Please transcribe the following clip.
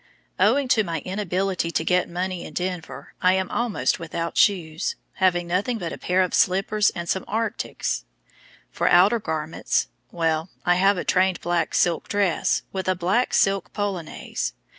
Owing to my inability to get money in Denver I am almost without shoes, have nothing but a pair of slippers and some "arctics." For outer garments well, I have a trained black silk dress, with a black silk polonaise!